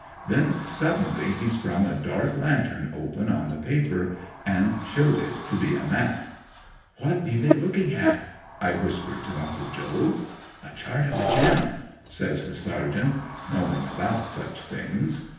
Then suddenly he sprung a dark lantern open on the paper, and showed it to be a map. '"What be they looking at?" I whispered to Uncle Job. '"A chart of the Channel," says the sergeant (knowing about such things).